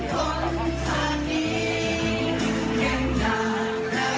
จากประธานสโมงศรอย่างมดรแป้งคุณดนทันร่ำ๓ครับ